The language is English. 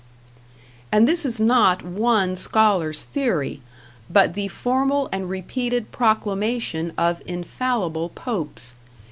And this is not one scholar's theory, but the formal and repeated proclamation of infallible popes.